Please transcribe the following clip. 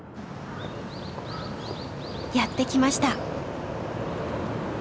やって来ました！